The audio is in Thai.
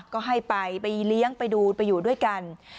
ก็ให้ไปไปเลี้ยงไปดูไปอยู่ด้วยกัน